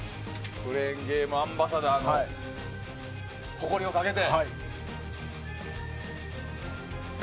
クレーンゲームアンバサダーの誇りをかけて。